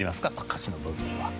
歌詞の部分は。